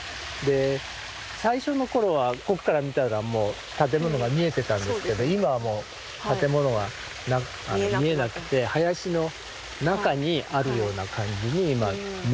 最初の頃は奥から見たら建物が見えてたんですけど今はもう建物は見えなくて林の中にあるような感じに見えてます。